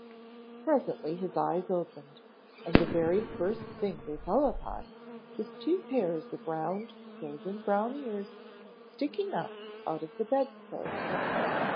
Presently his eyes opened and the very first thing they fell upon was two pairs of round, golden brown ears sticking up out of the bedclothes.